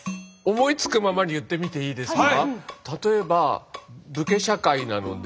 思いつくままに言ってみていいですか？